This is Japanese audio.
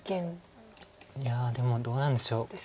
いやでもどうなんでしょう。